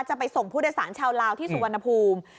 จะไปส่งผู้โดยสารชาวลาวที่สุวรรณภูมิ